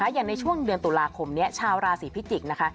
อย่างในช่วงเดือนตุลาคมนี้ชาวราศีพิจิกษ์นะคะ